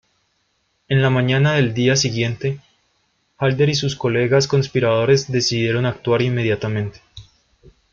En la mañana del día siguiente, Halder y sus colegas conspiradores decidieron actuar inmediatamente.